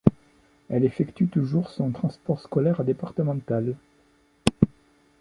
Elle effectue toujours son transport scolaire départemental.